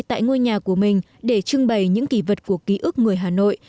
tại ngôi nhà của mình để trưng bày những kỳ vật của ký ức người hà nội